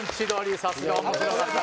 さすが面白かったですね